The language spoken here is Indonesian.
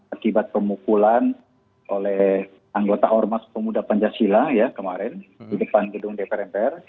akibat pemukulan oleh anggota ormas pemuda pancasila ya kemarin di depan gedung dpr mpr